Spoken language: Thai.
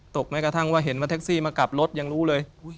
แม้กระทั่งว่าเห็นว่าแท็กซี่มากลับรถยังรู้เลย